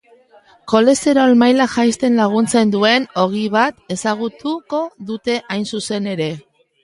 Kolesterol maila jaisten laguntzen duen ogi bat ezagutuko dute hain zuzen ere.